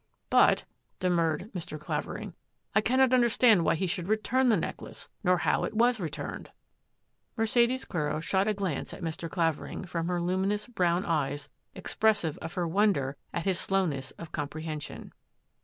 " But," demurred Mr. Clavering, " I cannot understand why he should return the necklace, nor how it was returned." Mercedes Quero shot a glance at Mr. Clavering from her luminous brown eyes expressive of her wonder at his slowness of comprehension.